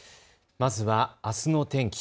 まずはあすの天気。